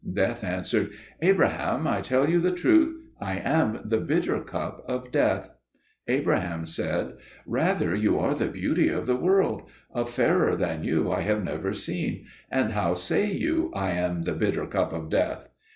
Death answered, "Abraham, I tell you the truth: I am the bitter cup of death." Abraham said, "Rather you are the beauty of the world; a fairer than you I have never seen, and how say you, 'I am the bitter cup of death'?"